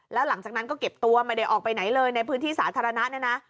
แล้วหลังจากนั้นก็เก็บตัวไม่ได้ออกไปไหนเลยในพื้นที่สาธารณะเนี่ยนะ